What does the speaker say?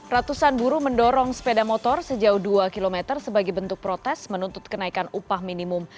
ratusan buruh mendorong sepeda motor sejauh dua km sebagai bentuk protes menuntut kenaikan upah minimum